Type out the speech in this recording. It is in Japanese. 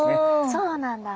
そうなんだ。